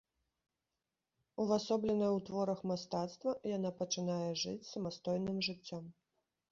Увасобленая ў творах мастацтва, яна пачынае жыць самастойным жыццём.